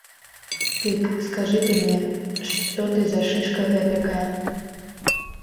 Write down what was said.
Дык скажы ты мне, што ты за шышка гэтакая?